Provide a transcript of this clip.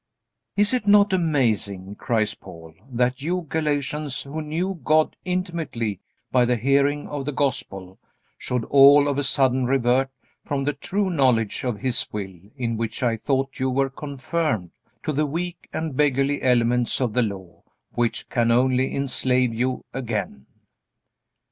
"Is it not amazing," cries Paul, "that you Galatians who knew God intimately by the hearing of the Gospel, should all of a sudden revert from the true knowledge of His will in which I thought you were confirmed, to the weak and beggarly elements of the Law which can only enslave you again?"